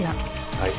はい。